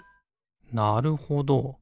なるほど。